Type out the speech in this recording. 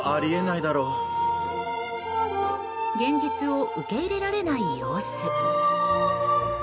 現実を受け入れられない様子。